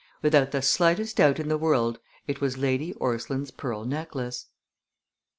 Without the slightest doubt in the world it was Lady Orstline's pearl necklace!